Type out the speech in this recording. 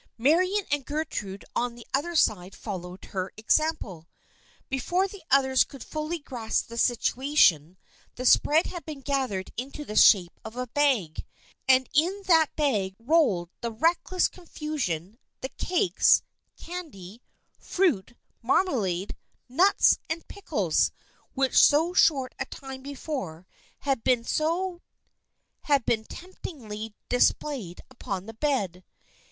Marian and Gertrude on the other side followed her example. Before the others could fully grasp the situation, the spread had been gathered into the shape of a bag, and in that bag rolled in reckless confusion the cakes, candy, fruit, marmalade, nuts and pickles which so short a time before had been temptingly dis played upon the bed.